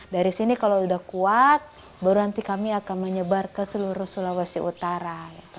dari sini kalau sudah kuat baru nanti kami akan menyebar ke seluruh sulawesi utara